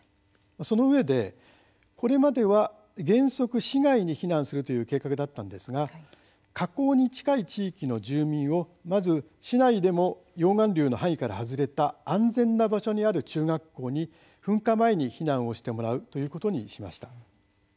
そのうえで、これまでは原則、市外に避難するという計画だったんですが火口に近い地域の住民をまず市内でも、溶岩流が範囲から外れた安全な場所にある中学校に噴火前に避難してもらうということにしました。